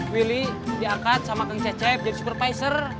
willy diangkat sama kang cecep jadi supervisor